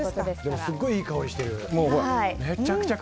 すごいいい香りしてる。